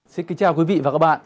xin kính chào quý vị và các bạn